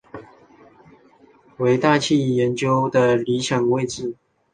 为大气研究的理想位置。